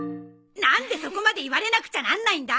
なんでそこまで言われなくちゃなんないんだ！